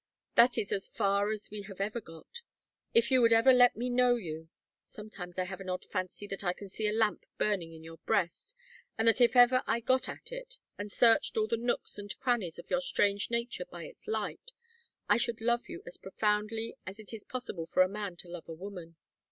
That is as far as we have ever got. If you would ever let me know you sometimes I have an odd fancy that I can see a lamp burning in your breast, and that if ever I got at it, and searched all the nooks and crannies of your strange nature by its light, I should love you as profoundly as it is possible for a man to love a woman."